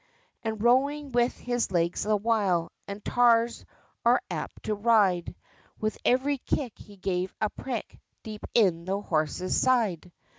And rowing with his legs the while, As tars are apt to ride, With every kick he gave a prick, Deep in the horse's side!